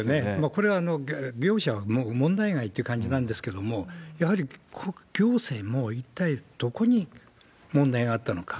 これはもう、利用者は問題外って感じなんですけども、やはり行政も一体どこに問題があったのか。